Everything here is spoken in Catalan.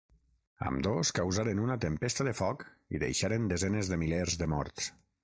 Ambdós causaren una tempesta de foc i deixaren desenes de milers de morts.